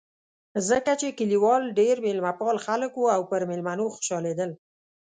ځکه چې کلیوال ډېر مېلمه پال خلک و او پر مېلمنو خوشحالېدل.